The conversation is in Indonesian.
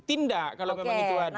tindak kalau memang itu ada